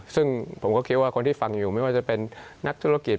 ซึ่งผมก็คิดว่าคนที่ฟังอยู่ไม่ว่าจะเป็นนักธุรกิจ